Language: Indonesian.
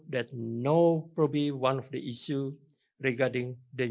yang mungkin bukan salah satu masalah